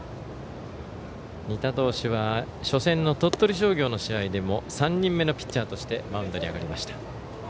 仁田投手は初戦の鳥取商業の試合でも３人目のピッチャーとしてマウンドに上がりました。